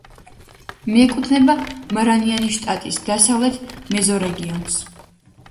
მიეკუთვნება მარანიანის შტატის დასავლეთ მეზორეგიონს.